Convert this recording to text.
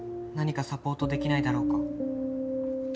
「何かサポートできないだろうか」